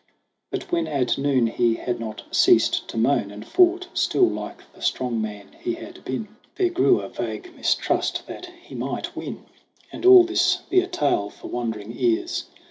But when at noon he had not ceased to moan, And fought still like the strong man he had been, 1 8 SONG OF HUGH GLASS There grew a vague mistrust that he might win, And all this be a tale for wondering ears.